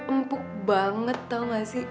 empuk banget tau gak sih